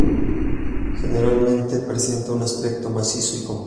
Generalmente presenta un aspecto macizo y compacto.